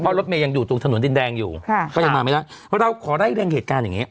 เพราะรถเมย์ยังอยู่ตรงถนนดินแดงอยู่ค่ะก็ยังมาไม่ได้เราขอไล่เรียงเหตุการณ์อย่างเงี้